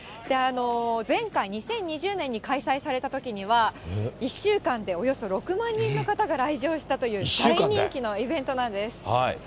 前回・２０２０年に開催されたときには、１週間でおよそ６万人の方が来場したという大人気のイベントなんです。